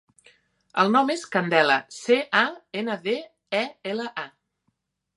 El nom és Candela: ce, a, ena, de, e, ela, a.